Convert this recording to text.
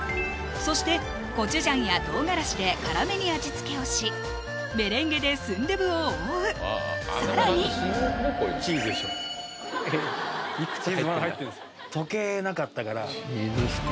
そしてコチュジャンや唐辛子で辛めに味付けをしメレンゲでスンドゥブを覆う更にチーズまだ入ってんですよ